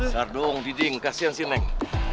sardong diding kasihan si neng